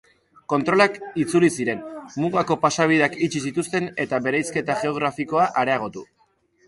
Kontrolak itzuli ziren, mugako pasabideak itxi zituzten eta bereizketa geografikoa areagotu.